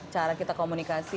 cara kita komunikasi